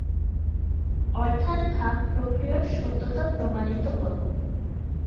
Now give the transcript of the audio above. অর্থাৎ ভাগ প্রক্রিয়ার সত্যতা প্রমাণিত হলো।